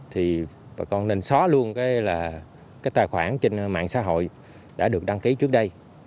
thì bà con nên xóa luôn cái tài khoản trên mạng xã hội đã được đăng ký trước đây